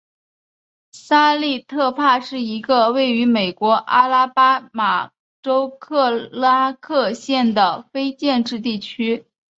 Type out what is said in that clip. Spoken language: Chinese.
萨利特帕是一个位于美国阿拉巴马州克拉克县的非建制地区。